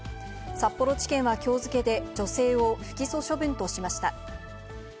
札幌地検はきょう付けで女性を不起訴処分としました。